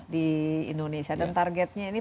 di indonesia dan targetnya ini